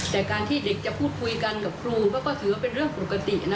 แต่การที่เด็กจะพูดคุยกันกับครูก็ถือว่าเป็นเรื่องปกตินะ